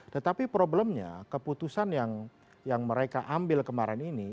tetapi problemnya keputusan yang mereka ambil kemarin ini